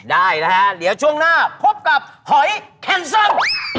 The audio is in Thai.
ได้นะฮะเดี๋ยวช่วงหน้าพบกับหอยแคนเซิล